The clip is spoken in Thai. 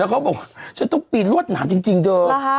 เขาบอกฉันต้องปีนรวดหนามจริงเธอ